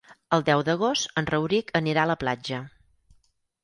El deu d'agost en Rauric anirà a la platja.